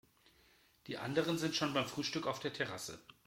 Die anderen sind schon beim Frühstück auf der Terrasse.